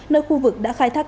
nơi khu vực đã khai thác cát